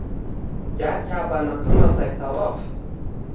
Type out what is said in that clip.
Gar Kabani kilmasak tavof